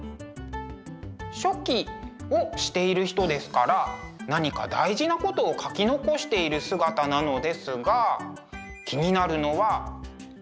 書記をしている人ですから何か大事なことを書き残している姿なのですが気になるのはこの顔。